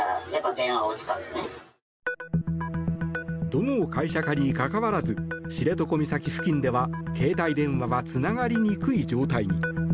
どの会社かにかかわらず知床岬付近では携帯電話はつながりにくい状態に。